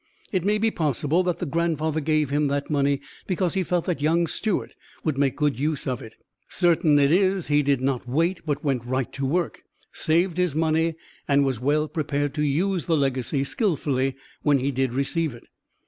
It may be possible that the grandfather gave him that money because he felt that young Stewart would make good use of it. Certain it is he did not wait but went right to work, saved his money, and was well prepared to use the legacy skillfully when he did receive it.